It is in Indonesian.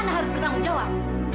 anah harus bertanggung jawab